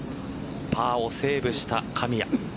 パーをセーブした神谷。